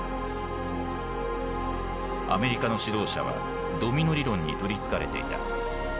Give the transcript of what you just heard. アメリカの指導者は「ドミノ理論」に取りつかれていた。